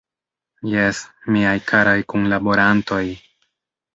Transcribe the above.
Jes, miaj karaj kunlaborantoj!